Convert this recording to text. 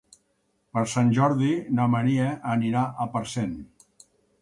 Per Sant Jordi na Maria anirà a Parcent.